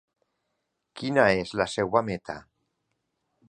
Quina és la seva meta?